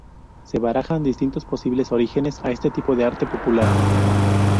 Se barajan distintos posibles orígenes a este tipo de arte popular.